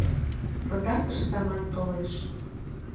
Пытартыш саман толеш.